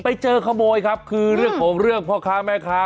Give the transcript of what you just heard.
ไปเจอขโมยครับคือเรื่องของเรื่องพ่อค้าแม่ค้า